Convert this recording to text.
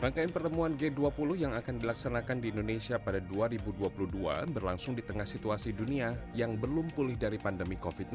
rangkaian pertemuan g dua puluh yang akan dilaksanakan di indonesia pada dua ribu dua puluh dua berlangsung di tengah situasi dunia yang belum pulih dari pandemi covid sembilan belas